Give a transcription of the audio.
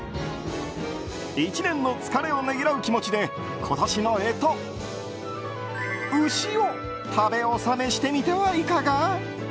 １年の疲れをねぎらう気持ちで今年の干支、「丑」を食べ納めしてみてはいかが？